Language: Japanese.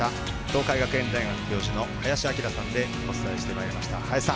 東海学園大学教授の林享さんでお伝えしてまいりました。